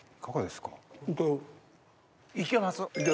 いけます？